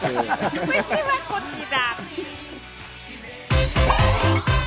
続いてはこちら。